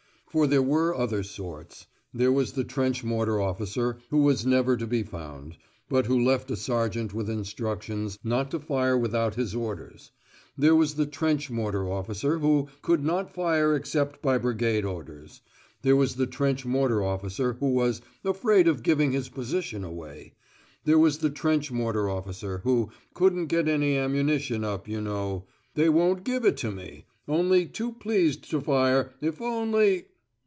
For there were other sorts. There was the trench mortar officer who was never to be found, but who left a sergeant with instructions not to fire without his orders; there was the trench mortar officer who "could not fire except by Brigade orders"; there was the trench mortar officer who was "afraid of giving his position away"; there was the trench mortar officer who "couldn't get any ammunition up, you know; they won't give it me; only too pleased to fire, if only